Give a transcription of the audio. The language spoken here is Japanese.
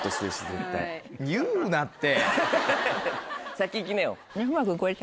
先いきなよ。